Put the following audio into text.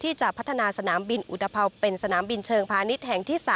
ที่จะพัฒนาสนามบินอุตภัวร์เป็นสนามบินเชิงพาณิชย์แห่งที่๓